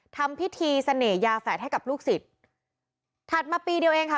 ทำพิธีเสน่หยาแฝดให้กับลูกศิษย์ถัดมาปีเดียวเองค่ะ